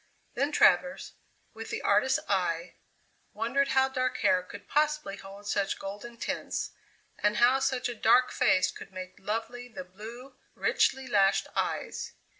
Then Travers, with the artist's eye, wondered how dark hair could possibly hold such golden tints, and how such a dark face could make lovely the blue, richly lashed eyes.